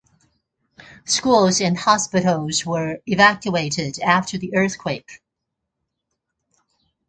Schools and hospitals were evacuated after the earthquake.